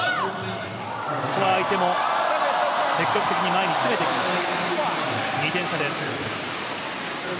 ここは相手も積極的に前に詰めてきました。